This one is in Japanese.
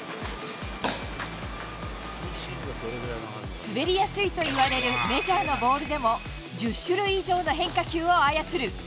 滑りやすいといわれるメジャーのボールでも、１０種類以上の変化球を操る。